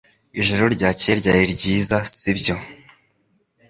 Ijoro ryakeye ryari ryiza sibyo